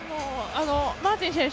マーティン選手